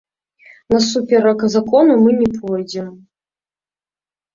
Насуперак закону мы не пойдзем.